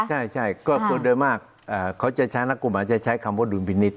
ใช่ก็คนโดยมากเขาจะใช้นักกฎหมายจะใช้คำว่าดุลพินิษฐ